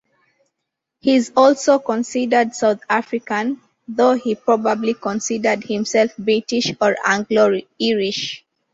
He is also considered South African, though he probably considered himself British or Anglo-Irish.